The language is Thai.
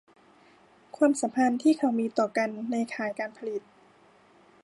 ความสัมพันธ์ที่เขามีต่อกันในข่ายการผลิต